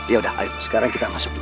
yaudah ayo sekarang kita masuk dulu